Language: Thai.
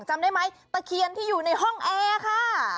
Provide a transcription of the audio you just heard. จำได้ไหมตะเคียนที่อยู่ในห้องแอร์ค่ะ